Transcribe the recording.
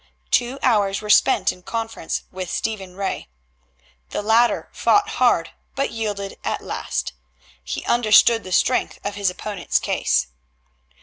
Two hours were spent in conference with Stephen Ray. The latter fought hard, but yielded at last. He understood the strength of his opponent's case.